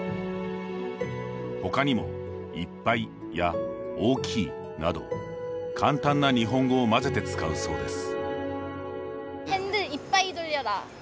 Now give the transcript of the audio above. ほかにも「いっぱい」や「大きい」など簡単な日本語を混ぜて使うそうです。